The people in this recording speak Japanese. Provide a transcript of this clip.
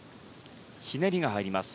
ひねりが入ります。